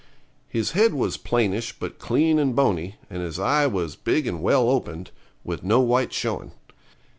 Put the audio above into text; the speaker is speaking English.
His head was plainish, but clean and bony, and his eye was big and well opened, with no white showing.